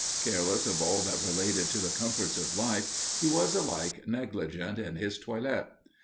Careless of all that related to the comforts of life, he was alike negligent in his toilet.